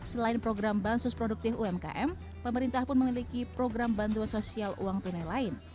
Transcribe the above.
selain program bansos produktif umkm pemerintah pun memiliki program bantuan sosial uang tunai lain